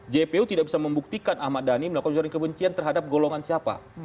itu membuktikan ahmad dhani melakukan ujaran kebencian terhadap golongan siapa